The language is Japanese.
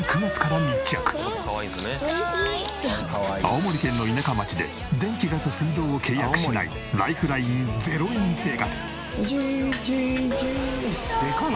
青森県の田舎町で電気ガス水道を契約しないライフライン０円生活。